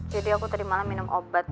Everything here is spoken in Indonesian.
jadi aku tadi malah minum obat